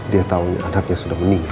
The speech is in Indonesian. dia tahu anaknya sudah meninggal